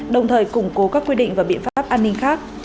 đồng thời củng cố các quy định và biện pháp an ninh khác